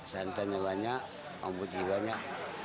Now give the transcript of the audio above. santannya banyak bawang putihnya banyak